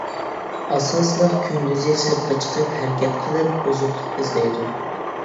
ئاساسلىقى كۈندۈزى سىرتقا چىقىپ ھەرىكەت قىلىپ ئوزۇقلۇق ئىزدەيدۇ.